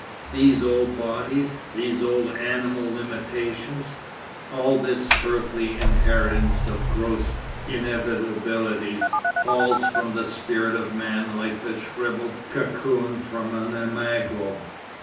These old bodies, these old animal limitations, all this earthly inheritance of gross inevitabilities falls from the spirit of man like the shrivelled cocoon from an imago.